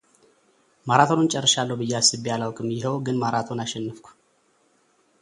ማራቶንን ጨርሳለሁ ብዬ አስብዬ አላውቅም ይህው ግን ማራቶን አሸነፍኩ